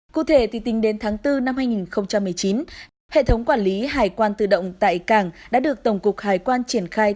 cụ thể thì tính đến tháng bốn năm hai nghìn một mươi chín hệ thống quản lý hải quan tự động tại cảng đã được tổng cục hải quan triển khai